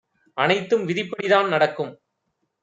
அனைத்தும் விதிப்படி தான் நடக்கும்